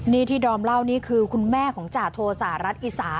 นี่ที่ดอมเล่านี่คือคุณแม่ของจฐสระรัดอิษระ